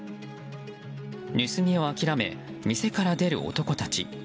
盗みを諦め、店から出る男とたち。